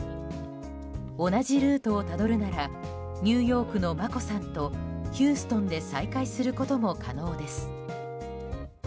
同じルートをたどるならニューヨークの眞子さんとヒューストンで再会することも可能です。